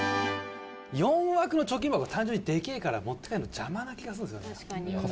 ４枠の貯金箱単純にでけえから持って帰るの邪魔な気がするんですよね。